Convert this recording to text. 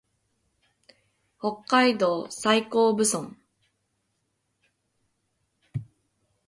北海道西興部村